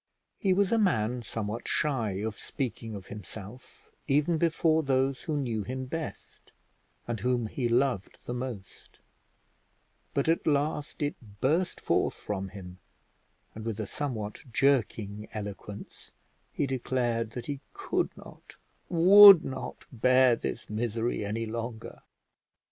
He was a man somewhat shy of speaking of himself, even before those who knew him best, and whom he loved the most; but at last it burst forth from him, and with a somewhat jerking eloquence he declared that he could not, would not, bear this misery any longer.